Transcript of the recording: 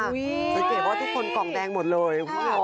เงียบว่าทุกคนกล่องแดงหมดเลย